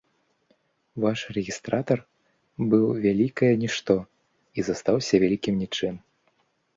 Ваш рэгістратар быў вялікае нішто і застаўся вялікім нічым.